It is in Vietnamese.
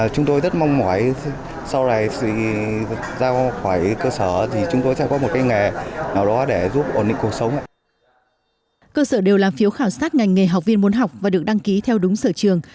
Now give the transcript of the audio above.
cơ sở đều làm phiếu khảo sát ngành nghề học viên muốn học và được đăng ký theo đúng sở trường